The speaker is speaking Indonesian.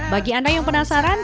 bagi anda yang penasaran